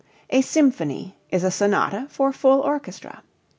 A symphony is a sonata for full orchestra.